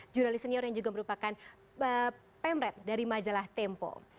jurnalis senior yang juga merupakan pemret dari majalah tempo